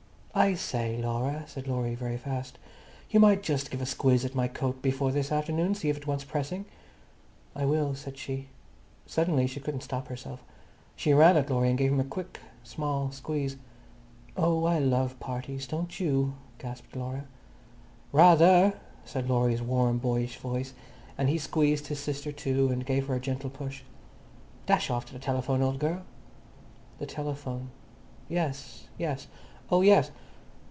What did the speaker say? "I say, Laura," said Laurie very fast, "you might just give a squiz at my coat before this afternoon. See if it wants pressing." "I will," said she. Suddenly she couldn't stop herself. She ran at Laurie and gave him a small, quick squeeze. "Oh, I do love parties, don't you?" gasped Laura. "Ra ther," said Laurie's warm, boyish voice, and he squeezed his sister too, and gave her a gentle push. "Dash off to the telephone, old girl." The telephone. "Yes, yes; oh yes.